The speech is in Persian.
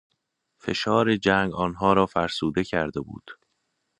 فشار جنگ آنها را فرسوده کرده بود.